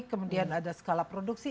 kemudian ada skala produksi